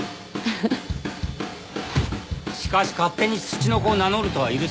しかし勝手にツチノコを名乗るとは許せんな。